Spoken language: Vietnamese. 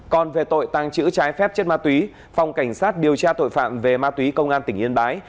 còn về tội tàng trữ trái phép chất ma túy phòng cảnh sát điều tra tội phạm về ma túy công an tỉnh yên bái